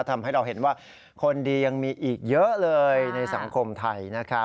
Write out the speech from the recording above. ทำให้เราเห็นว่าคนดียังมีอีกเยอะเลยในสังคมไทย